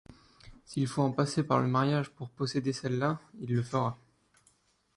S'il faut en passer par le mariage pour posséder celle-là, il le fera.